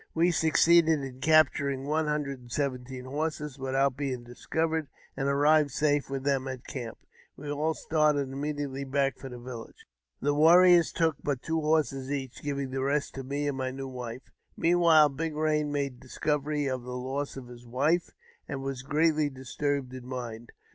We succeeded in capturing one hundred and seventeen horses without being discovered, and arrived safe with them at the camp. We all started immediately back for the village. The warriors took but two horses each, giving the rest to me and my new wife. Meanwhile, Big Eain made discovery of the loss of his wife, and was greatly disturbed in mind.